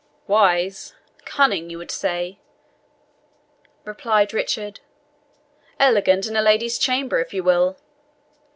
"Wise? cunning, you would say," replied Richard; "elegant in a lady's chamber, if you will.